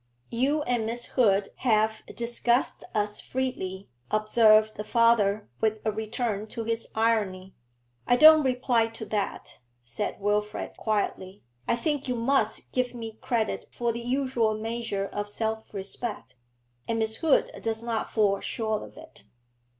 'You and Miss Hood have discussed us freely,' observed the father, with a return to his irony. 'I don't reply to that,' said Wilfrid, quietly. 'I think you must give me credit for the usual measure of self respect; and Miss Hood does not fall short of it.'